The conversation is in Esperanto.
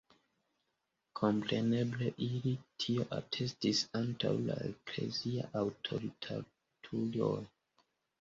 Kompreneble, ili tion atestis antaŭ la ekleziaj aŭtoritatuloj.